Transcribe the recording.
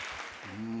うん。